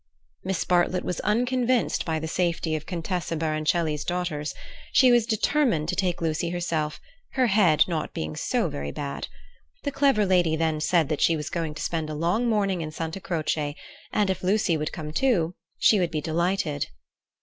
Miss Bartlett was unconvinced by the safety of Contessa Baroncelli's daughters. She was determined to take Lucy herself, her head not being so very bad. The clever lady then said that she was going to spend a long morning in Santa Croce, and if Lucy would come too, she would be delighted.